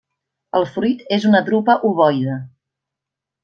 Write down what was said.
El fruit és una drupa ovoide.